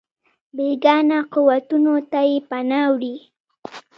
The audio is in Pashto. بېګانه قوتونو ته یې پناه وړې.